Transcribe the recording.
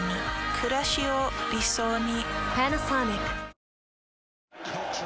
くらしを理想に。